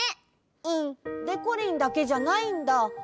うん。でこりんだけじゃないんだ。